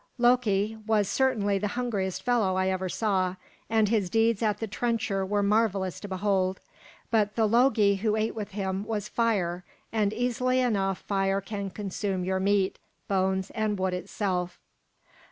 Loki was certainly the hungriest fellow I ever saw, and his deeds at the trencher were marvelous to behold. But the Logi who ate with him was Fire, and easily enough fire can consume your meat, bones, and wood itself.